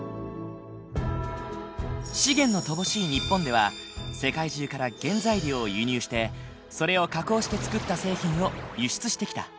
資源の乏しい日本では世界中から原材料を輸入してそれを加工して作った製品を輸出してきた。